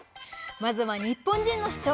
まずは日本人の主張。